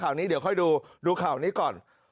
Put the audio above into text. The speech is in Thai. นี้เดี๋ยวค่อยดูดูข่าวนี้ก่อน